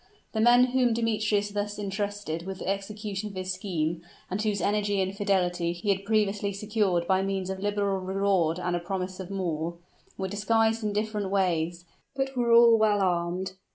The men whom Demetrius thus intrusted with the execution of his scheme, and whose energy and fidelity he had previously secured by means of liberal reward and promise of more, were disguised in different ways, but were all well armed.